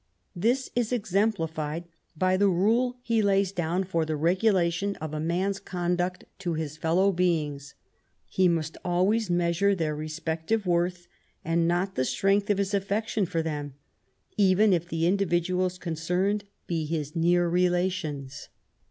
This is exemplified by the rule he lays down for the regulation of a man's •conduct to his fellow beings. He must always measure their respective worth, and not the strength of his affection for them, even if the individuals concerned be his near relations.